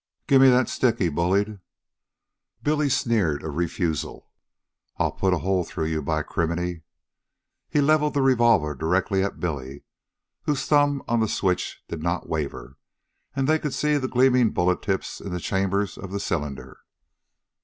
"Give me that stick," he bullied. Billy sneered a refusal. "Then I'll put a hole through you, by criminy." He leveled the revolver directly at Billy, whose thumb on the switch did not waver, and they could see the gleaming bullet tips in the chambers of the cylinder.